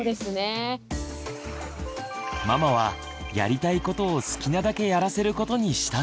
ママはやりたいことを好きなだけやらせることにしたそうです。